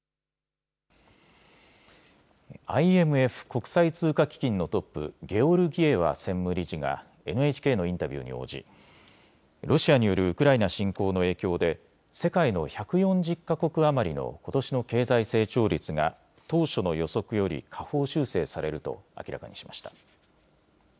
ＩＭＦ・国際通貨基金のトップ、ゲオルギエワ専務理事がＮＨＫのインタビューに応じロシアによるウクライナ侵攻の影響で世界の１４０か国余りのことしの経済成長率が当初の予測より下方修正されると明らかにしました。